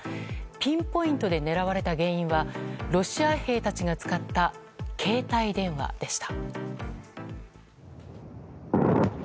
ピンポイントで狙われた原因はロシア兵たちが使った携帯電話でした。